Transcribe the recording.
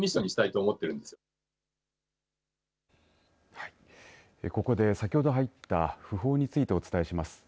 はい、ここで先ほど入った訃報についてお伝えします。